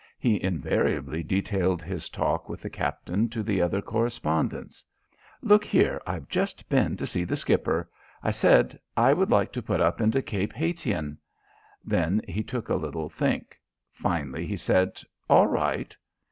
He invariably detailed his talk with the captain to the other correspondents. "Look here. I've just been to see the skipper. I said 'I would like to put into Cape Haytien.' Then he took a little think. Finally he said: 'All right.'